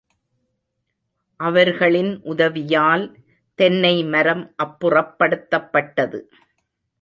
அவர்களின் உதவியால் தென்னை மரம் அப்புறப்படுத்தப்பட்டது.